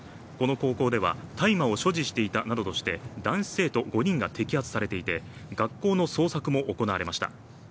この高校では大麻を所持していたなどとして男子生徒５人が摘発されていて学校の捜索も行われました